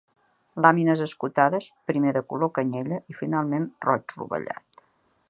Làmines escotades, primer de color canyella i finalment roig rovellat.